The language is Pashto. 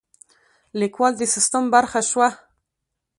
لیکوال د سیستم برخه شوه.